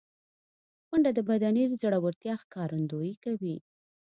منډه د بدني زړورتیا ښکارندویي کوي